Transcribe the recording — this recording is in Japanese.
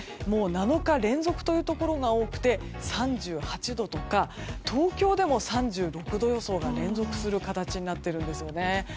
７日連続というところが多くて３８度とか東京でも３６度予想が連続する形になってるんですよね。